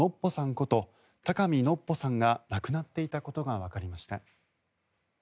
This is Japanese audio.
こと高見のっぽさんが亡くなっていたことがわかりました。